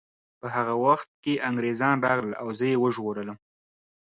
په هغه وخت کې انګریزان راغلل او زه یې وژغورلم